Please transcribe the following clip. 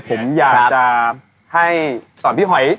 ผมอยากจะให้สอนพี่หอย